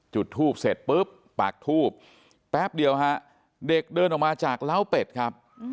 จุดทูบเสร็จปุ๊บปากทูบแป๊บเดียวฮะเด็กเดินออกมาจากเล้าเป็ดครับ